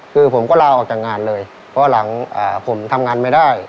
คือผมก็ลาออกจากงานเลยเพราะหลังผมทำงานไม่ได้